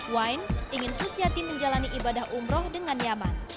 wain ingin susiati menjalani ibadah umroh dengan nyaman